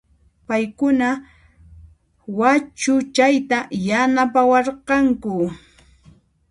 Payquna wachuchayta yanapawarqanku